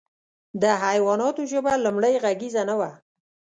د حیواناتو ژبه لومړۍ غږیزه نه وه.